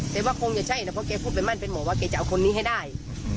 แต่ว่าคงแช่ในเเบาะเขาก็เพราะเขาพูดแบบมั่นมั่นเป็นหมวมว่าเขาจะเอาคนนี้ให้ได้